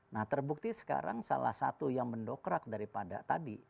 nah terbukti sekarang salah satu yang mendokrak daripada tadi